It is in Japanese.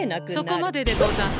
そこまででござんす。